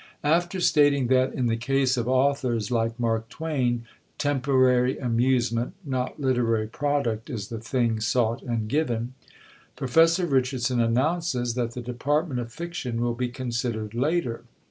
After stating that, in the case of authors like Mark Twain, "temporary amusement, not literary product, is the thing sought and given," Professor Richardson announces that the department of fiction will be considered later.